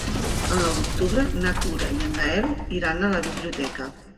El nou d'octubre na Tura i en Gaël iran a la biblioteca.